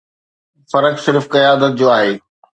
فرق صرف قيادت جو آهي.